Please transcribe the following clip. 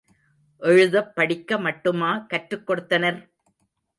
எழுதப்படிக்க மட்டுமா கற்றுக் கொடுத்தனர்?